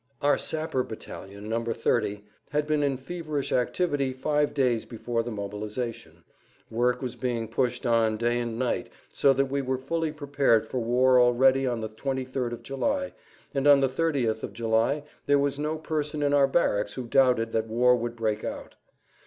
Our sapper battalion, No. 30, had been in feverish activity five days before the mobilization; work was being pushed on day and night so that we were fully prepared for war already on the 23rd of July, and on the 30th of July there was no person in our barracks who doubted that war would break out.